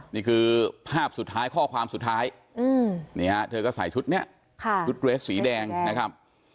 นี่คือภาพสุดท้ายข้อความสุดท้ายนี่ฮะเธอก็ใส่ชุดนี้ชุดเกรสสีแดงนะครับ